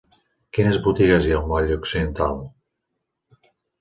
Quines botigues hi ha al moll Occidental?